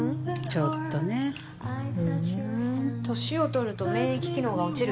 ちょっとねふうん歳を取ると免疫機能が落ちるっていうでしょ